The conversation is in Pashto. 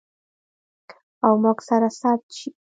او موږ سره ثبت شي.